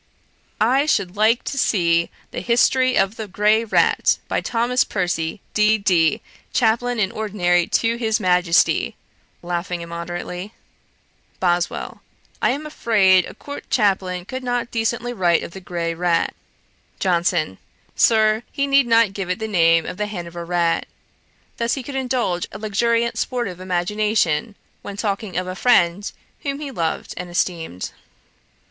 I should like to see The History of the Grey Rat, by Thomas Percy, D.D., Chaplain in Ordinary to His Majesty,' (laughing immoderately). BOSWELL. 'I am afraid a court chaplain could not decently write of the grey rat.' JOHNSON. 'Sir, he need not give it the name of the Hanover rat.' Thus could he indulge a luxuriant sportive imagination, when talking of a friend whom he loved and esteemed.